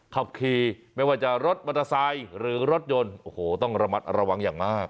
ขับขี่ไม่ว่าจะรถมอเตอร์ไซค์หรือรถยนต์โอ้โหต้องระมัดระวังอย่างมาก